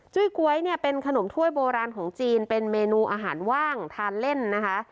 ก๊วยเนี่ยเป็นขนมถ้วยโบราณของจีนเป็นเมนูอาหารว่างทานเล่นนะคะ